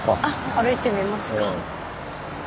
歩いてみますか。